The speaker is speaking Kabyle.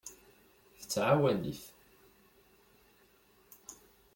Tettɛawan-it.